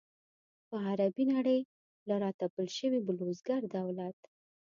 پر عربي نړۍ له را تپل شوي بلوسګر دولت.